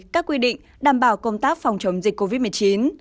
các quy định đảm bảo công tác phòng chống dịch covid một mươi chín